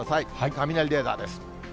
雷レーダーです。